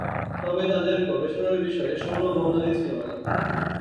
তবে তাঁদের গবেষণার বিষয় সৌর বর্ণালি ছিল না।